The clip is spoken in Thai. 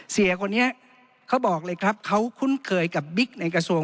เสียคนนี้เขาบอกเลยครับเขาคุ้นเคยกับบิ๊กในกระทรวง